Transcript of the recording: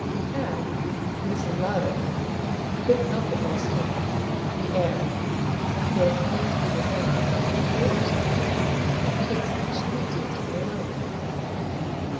He HAD, for Mrs. Lowder he couldn't help it while sitting there the air, which was the thing to be desired, of no absorption in Kate sufficiently deep to be alarming.